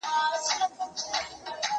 نه مي غاښ ته سي ډبري ټينگېدلاى